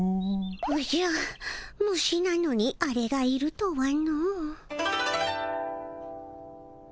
おじゃ虫なのにアレがいるとはの。